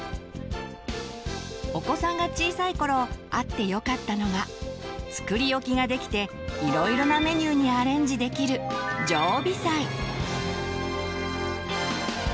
お子さんが小さい頃あってよかったのが作り置きができていろいろなメニューにアレンジできる「常備菜」。